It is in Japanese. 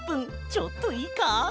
ちょっといいか？